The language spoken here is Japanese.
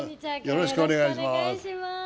よろしくお願いします。